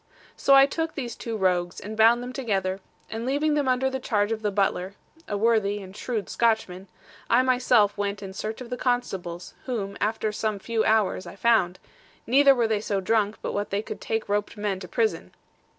So I took these two rogues, and bound them together; and leaving them under charge of the butler (a worthy and shrewd Scotchman), I myself went in search of the constables, whom, after some few hours, I found; neither were they so drunk but what they could take roped men to prison.